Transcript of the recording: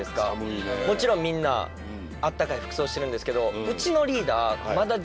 もちろんみんなあったかい服装してるんですけど。